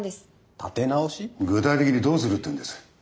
具体的にどうするっていうんです？